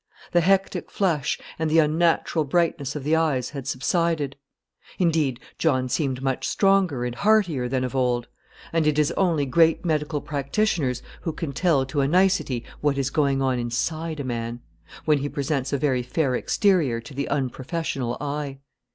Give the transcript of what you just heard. The hectic flush and the unnatural brightness of the eyes had subsided; indeed, John seemed much stronger and heartier than of old; and it is only great medical practitioners who can tell to a nicety what is going on inside a man, when he presents a very fair exterior to the unprofessional eye.